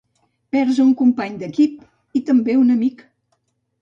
Perds un company d'equip i també un amic.